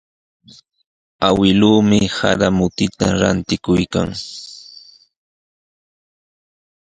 Awkilluumi sara mututa rantikuykan.